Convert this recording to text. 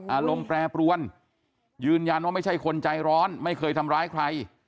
อารมณ์แปรปรวนยืนยันว่าไม่ใช่คนใจร้อนไม่เคยทำร้ายใคร